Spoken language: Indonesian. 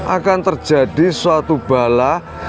akan terjadi suatu bala